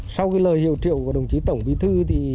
sau lời hiệu triệu của đồng chí tổng bí thư